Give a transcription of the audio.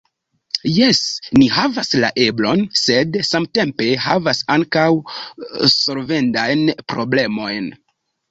Jes, ni havas la eblon, sed samtempe havas ankaŭ solvendajn problemojn.